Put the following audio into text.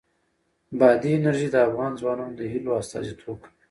بادي انرژي د افغان ځوانانو د هیلو استازیتوب کوي.